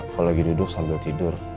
kalau lagi duduk sambil tidur